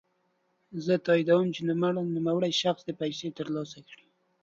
زه تاييد کوم چی نوموړی شخص دي پيسې ترلاسه کړي.